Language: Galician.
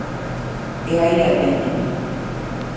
E aí a teñen.